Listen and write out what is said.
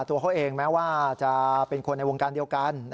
ตัวเขาเองแม้ว่าจะเป็นคนในวงการเดียวกัน